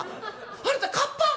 あなたカッパ！？」。